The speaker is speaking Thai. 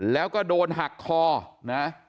แล้วก็โดนหักคอนะ